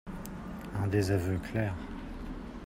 Un désaveu clair